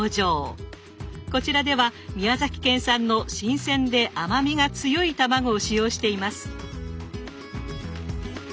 こちらでは宮崎県産の新鮮で甘みが強い卵を使用しています。